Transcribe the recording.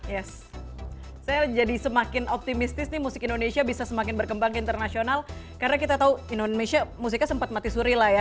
yes saya jadi semakin optimistis nih musik indonesia bisa semakin berkembang internasional karena kita tahu indonesia musiknya sempat mati suri lah ya